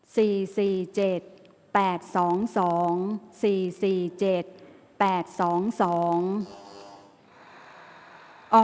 ข่าวแถวรับทีวีรายงาน